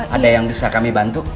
ada yang bisa kami bantu